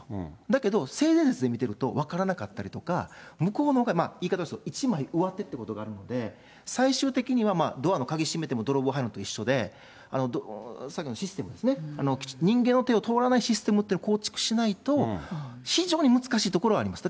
だけど、性善説で見てると分からなかったりとか、向こうのほうが一枚上手ってことがあるので、最終的にはドアの鍵閉めても泥棒入るのと一緒で、さっきのシステムですね、人間の手を通らないシステムというのを構築しないと非常に難しいところはあります。